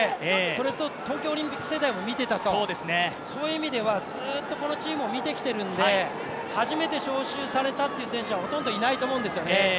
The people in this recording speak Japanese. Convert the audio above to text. それと東京オリンピック世代も見ていたと、そういう意味ではずっとこのチームを見てきているんで、初めて招集された選手はほとんどいないと思うんですよね。